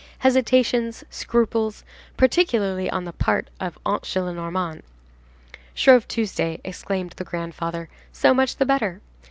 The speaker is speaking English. Hesitations, scruples, particularly on the part of Aunt Gillenormand. "Shrove Tuesday!" exclaimed the grandfather, "so much the better.